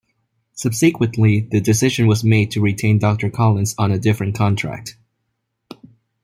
Subsequently, the decision was made to retain Doctor Collins on a different contract.